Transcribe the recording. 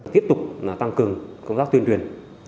tiếp tục tăng cường công tác tuyên truyền